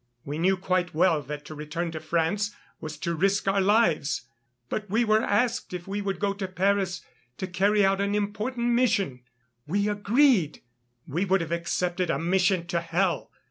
We knew quite well that to return to France was to risk our lives; but we were asked if we would go to Paris to carry out an important mission.... We agreed, we would have accepted a mission to hell!